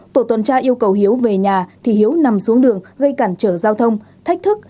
tổ tuần tra yêu cầu hiếu về nhà thì hiếu nằm xuống đường gây cản trở giao thông thách thức